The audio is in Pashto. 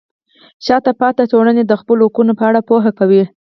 شاته پاتې ټولنه د خپلو حقونو په اړه پوهه کوي.